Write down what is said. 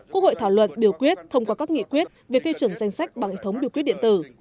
quốc hội thảo luận biểu quyết thông qua các nghị quyết về phê chuẩn danh sách bằng hệ thống điều quyết điện tử